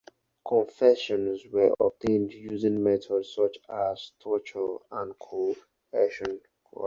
Confessions were obtained using methods such as torture and coercion.